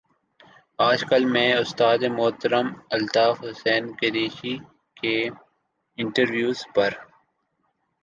آج کل میں استاد محترم الطاف حسن قریشی کے انٹرویوز پر